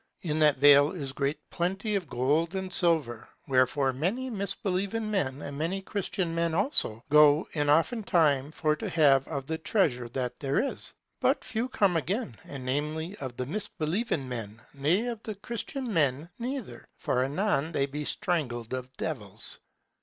In that vale is great plenty of gold and silver. Wherefore many misbelieving men, and many Christian men also, go in oftentime for to have of the treasure that there is; but few come again, and namely of the misbelieving men, ne of the Christian men neither, for anon they be strangled of devils.